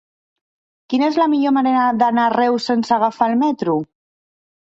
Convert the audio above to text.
Quina és la millor manera d'anar a Reus sense agafar el metro?